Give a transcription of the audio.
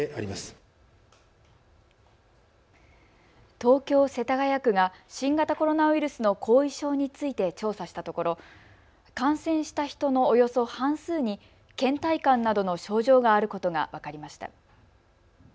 東京世田谷区が新型コロナウイルスの後遺症について調査したところ感染した人のおよそ半数にけん怠感などの症状があることが分かりました。